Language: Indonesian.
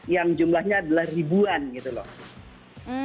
yang jumlahnya adalah ribuan orang yang menilai oscar ini